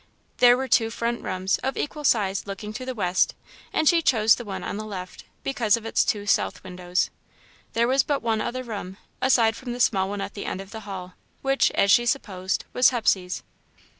There were two front rooms, of equal size, looking to the west, and she chose the one on the left, because of its two south windows. There was but one other room, aside from the small one at the end of the hall, which, as she supposed, was Hepsey's.